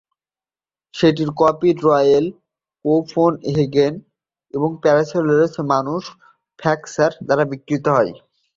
সেটের copy Royal Copenhagen porcelain manufacture দ্বারা বিক্রি হয়।